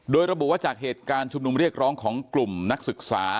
โดยระบุว่าจากเหตุการณ์ชุมนุมเรียกร้องของกลุ่มนักศึกษา